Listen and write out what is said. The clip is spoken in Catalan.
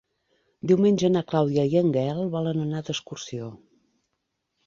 Diumenge na Clàudia i en Gaël volen anar d'excursió.